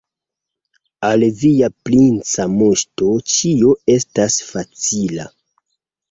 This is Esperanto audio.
Al via princa moŝto ĉio estas facila.